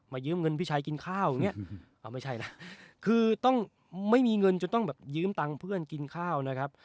ยืมเงินพี่ชายกินข้าวอย่างเงี้ยเอาไม่ใช่นะคือต้องไม่มีเงินจะต้องแบบยืมตังค์เพื่อนกินข้าวนะครับ